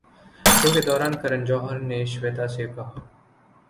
شو کے دوران کرن جوہر نے شویتا سے کہا